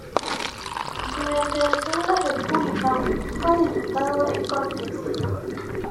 Durante la Segunda República fue diputado en Cortes.